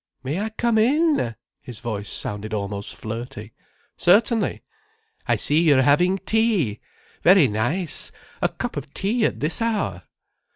"May I come in?" His voice sounded almost flirty. "Certainly." "I see you're having tea! Very nice, a cup of tea at this hour!"